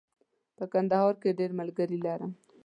په کندهار کې ډېر ملګري لرم.